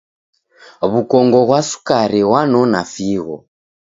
W'ukongo ghwa sukari ghwanona figho.